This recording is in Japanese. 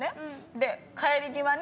で帰り際に。